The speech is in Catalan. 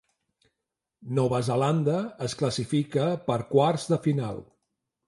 Nova Zelanda es classifica per quarts de final.